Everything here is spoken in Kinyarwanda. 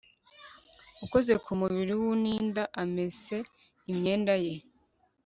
ukoze ku mubiri w uninda amese imyenda ye